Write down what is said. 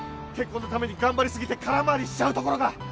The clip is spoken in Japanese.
結婚のために頑張り過ぎて空回りしちゃうところが。